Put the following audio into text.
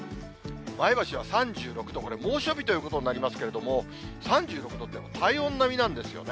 前橋は３６度、これ、猛暑日ということになりますけれども、３６度って、体温並みなんですよね。